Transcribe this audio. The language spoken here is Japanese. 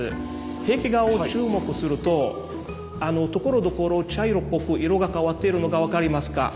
壁画を注目するとところどころ茶色っぽく色が変わっているのが分かりますか？